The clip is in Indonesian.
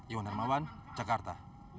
iwan hermawan jakarta